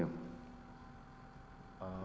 apa alasan saudara